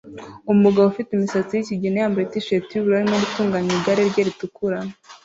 Umugabo ufite imisatsi yikigina yambaye t-shirt yubururu arimo gutunganya igare rye ritukura